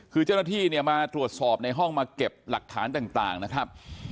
คือเจ้าหน้าที่เนี่ยมาตรวจสอบในห้องมาเก็บหลักฐานต่างนะครับ